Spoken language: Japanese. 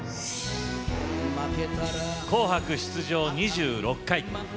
紅白出場２６回。